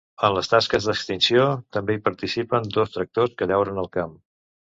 En les tasques d’extinció, també hi participen dos tractors que llauren el camp.